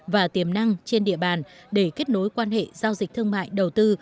và tiềm năng trên địa bàn để kết nối quan hệ giao dịch thương mại đầu tư